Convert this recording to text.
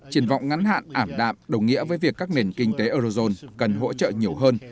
triển vọng ngắn hạn ảm đạm đồng nghĩa với việc các nền kinh tế eurozone cần hỗ trợ nhiều hơn